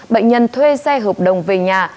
bệnh nhân thuê xe hợp đồng về nhà